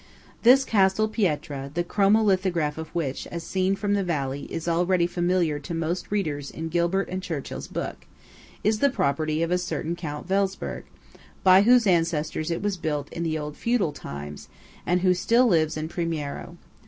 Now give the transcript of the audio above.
This Castel Pietra–the chromo lithograph of which, as seen from the valley, is already familiar to most readers in Gilbert and Churchill's book–is the property of a certain Count Welsperg, by whose ancestors it was built in the old feudal times, and who still lives in Primiero.